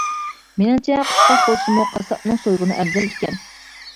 مېنىڭچە، قۇشقاچ بولسىمۇ، قاسساپنىڭ سويغىنى ئەۋزەل ئىكەن.